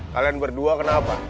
kalian berdua kenapa